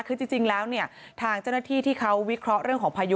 คือจริงแล้วเนี่ยทางเจ้าหน้าที่ที่เขาวิเคราะห์เรื่องของพายุ